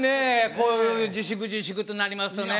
こういう自粛自粛となりますとね。